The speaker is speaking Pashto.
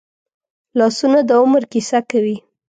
لاسونه د عمر کیسه کوي